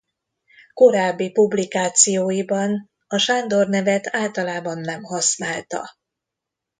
Korábbi publikációiban a Sándor nevet általában nem használta.